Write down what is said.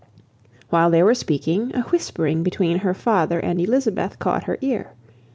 While they were speaking, a whispering between her father and Elizabeth caught her ear.